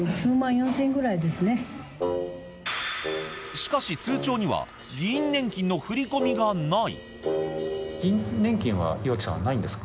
しかし、通帳には議員年金の振り込みがない。